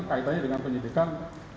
kaitannya dengan penyitikan